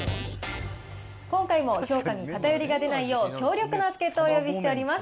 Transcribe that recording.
今回も評価に偏りが出ないよう、強力な助っ人をお呼びしております。